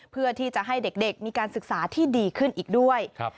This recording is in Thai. เพื่อที่จะให้เด็กมีการศึกษาที่ดีขึ้นอีกด้วย